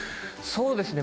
そうですね。